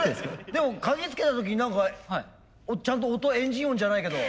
でも鍵付けた時何かちゃんと音何かエンジン音じゃないけど。